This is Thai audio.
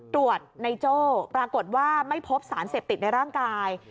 ตรวจในโจ้ปรากฏว่าไม่พบสารเสพติดในร่างกาย